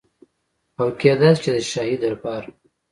او کيدی شي چي د شاهي دربار نه